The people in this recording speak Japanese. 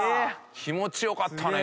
気持ち良かったね